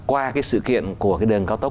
qua cái sự kiện của cái đường cao tốc